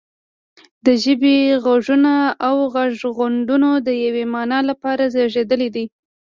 د ژبې غږونه او غږغونډونه د یوې معنا لپاره زیږیدلي دي